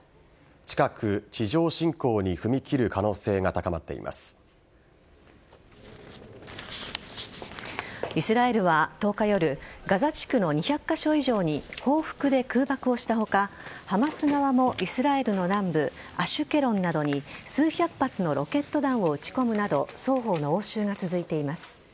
近く地上侵攻に踏み切る可能性がイスラエルは１０日夜ガザ地区の２００カ所以上に報復で空爆をした他ハマス側もイスラエルの南部アシュケロンなどに数百発のロケット弾を撃ち込むなど双方の応酬が続いています。